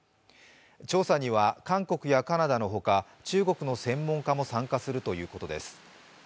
調査には韓国やカナダの他中国の専門家も参加するということです。